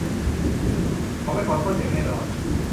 เขาไม่ขอโทษอย่างแน่นอน